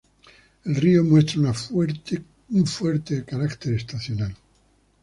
El río muestra un fuerte carácter estacional.